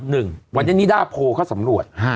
หนึ่งวันนี้นิด้าโพลเขาสำรวจ